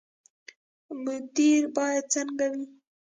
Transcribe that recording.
مدیر باید څنګه وي؟